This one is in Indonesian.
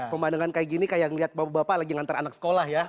pemandangan kayak gini kayak ngeliat bapak bapak lagi ngantar anak sekolah ya